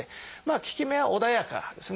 効き目はおだやかですね。